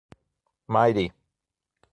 Mairi